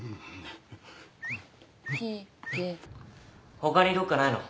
他にどっかないの？